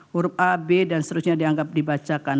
huruf a b dan seterusnya dianggap dibacakan